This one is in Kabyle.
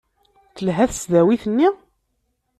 Telha tesdawit-nni?